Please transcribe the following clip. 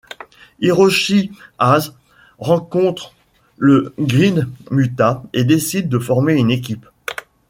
Hiroshi Hase rencontre le Great Muta et décide de former une équipe.